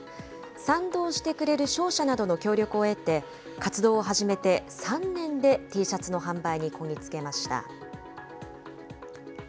賛同してくれる商社などの協力を得て、活動を始めて３年で、Ｔシャツの販売にこぎ着けました。